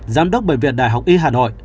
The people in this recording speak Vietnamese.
giám đốc bệnh viện đại học y hà nội